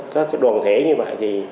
có đoàn thể như vậy